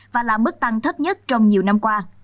và là mức tăng thấp nhất trong nhiều năm qua